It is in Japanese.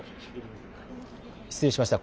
失礼しました。